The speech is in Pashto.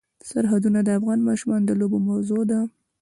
سرحدونه د افغان ماشومانو د لوبو موضوع ده.